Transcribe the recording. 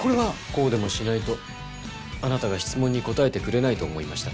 こうでもしないとあなたが質問に答えてくれないと思いましたので。